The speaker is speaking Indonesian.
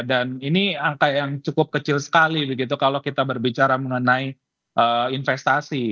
dan ini angka yang cukup kecil sekali begitu kalau kita berbicara mengenai investasi